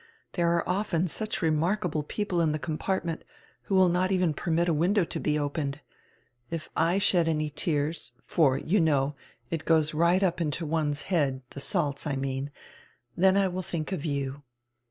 There are often such remark able people in the compartment, who will not even permit a window to be opened. If /shed any tears — for, you know, it goes right up into one's head, the salts, I mean — then I will think of you.